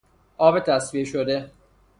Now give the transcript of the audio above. آب تصفیه شده